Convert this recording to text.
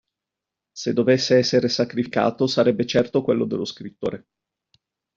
Se dovesse essere sacrificato, sarebbe certo quello dello scrittore.